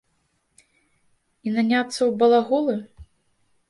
І наняцца ў балаголы?